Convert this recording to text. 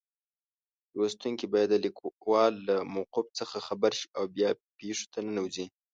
لوستونکی باید د لیکوال له موقف څخه خبر شي او بیا پېښو ته ننوځي.